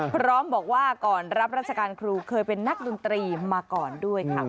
พร้อมบอกว่าก่อนรับราชการครูเคยเป็นนักดนตรีมาก่อนด้วยค่ะ